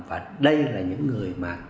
và đây là những người mà tôi cho